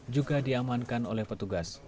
juga diamankan oleh petugas